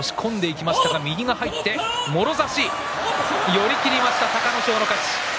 寄り切りました隆の勝の勝ち。